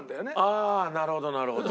ああなるほどなるほど。